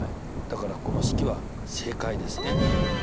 だからこの式は正解ですね。